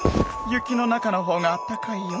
雪の中のほうがあったかいよ。